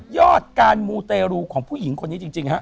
ยอดการมูเตรูของผู้หญิงคนนี้จริงฮะ